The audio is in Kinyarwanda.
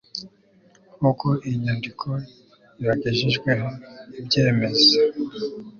nk'uko iyi nyandiko ibagejejweho ibyemeza